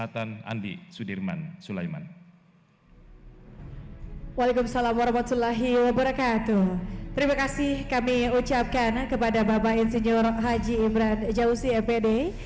terima kasih kami ucapkan kepada bapak insinyur haji imran jauhsi fd